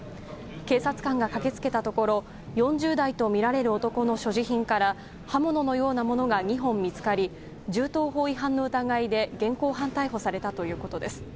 警察官が駆け付けたところ４０代とみられる男の所持品から刃物のようなものが２本見つかり銃刀法違反の疑いで現行犯逮捕されたということです。